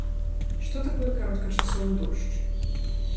Што такое кароткачасовы дождж?